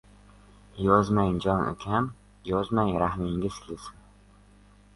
— Yozmang, jon ukam, yozmang, rahmingiz kelsin.